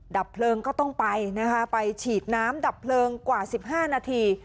ดับเพลิงก็ต้องไปนะคะไปฉีดน้ำดับเพลิงกว่า๑๕นาที